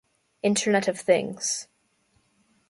internet of things